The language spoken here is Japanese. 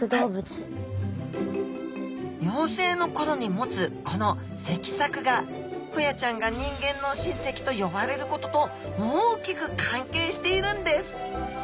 幼生の頃に持つこの脊索がホヤちゃんが人間の親せきと呼ばれることと大きく関係しているんです。